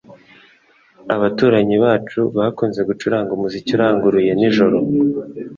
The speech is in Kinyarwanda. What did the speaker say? Abaturanyi bacu bakunze gucuranga umuziki uranguruye nijoro